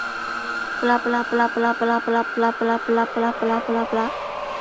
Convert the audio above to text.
这两种表现的方法在后期的演歌中是不可或缺的。